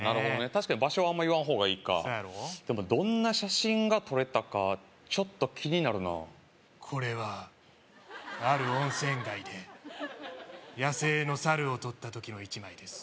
確かに場所はあんま言わん方がいいかでもどんな写真が撮れたかちょっと気になるなこれはある温泉街で野生のサルを撮った時の１枚です